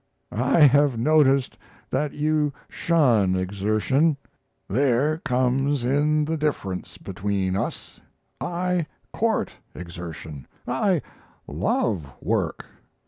I have noticed that you shun exertion. There comes in the difference between us. I court exertion. I love work.